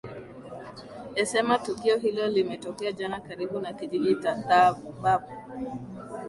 esema tukio hilo limetokea jana karibu na kijiji cha thabaab